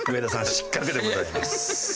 失格でございます。